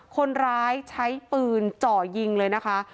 คนร้ายใช้ปืนเจาะยิงเลยนะคะ